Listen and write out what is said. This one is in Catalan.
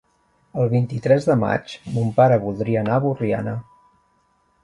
El vint-i-tres de maig mon pare voldria anar a Borriana.